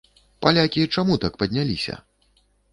Палякі чаму так падняліся?